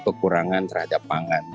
sepertinya di pasar silam